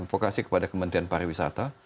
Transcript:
advokasi kepada kementerian pariwisata